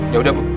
ya udah bu